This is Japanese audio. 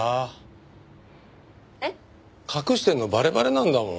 えっ？隠してるのバレバレなんだもん。